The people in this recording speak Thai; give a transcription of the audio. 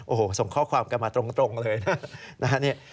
โอ้โหส่งข้อความกันมาตรงเลยนะ